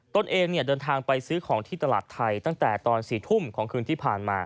ตนเองเดินทางไปซื้อของที่ตลาดไทยตั้งแต่ตอน๔ทุ่มของคืนที่ผ่านมา